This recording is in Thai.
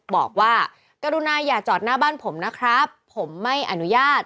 บอกว่ากรุณาอย่าจอดหน้าบ้านผมนะครับผมไม่อนุญาต